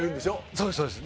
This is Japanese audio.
そうですそうです。